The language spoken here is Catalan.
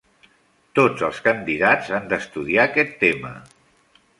Tots els candidats han d'estudiar aquest tema.